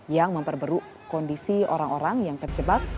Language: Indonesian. yang memperberuk kondisi orang orang yang terjebak